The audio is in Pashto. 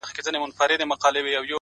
• بس ده ژړا مه كوه مړ به مي كړې؛